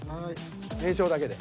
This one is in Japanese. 名称だけで。